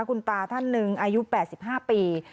คุณตาท่านหนึ่งอายุ๘๕ปี